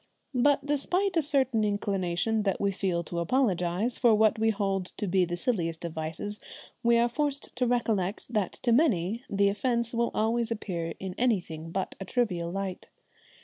But despite a certain inclination that we feel to apologise for what we hold to be the silliest of vices, we are forced to recollect that to many the offence will always appear in anything but a trivial light.